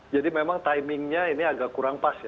jadi memang timingnya ini agak kurang pas ya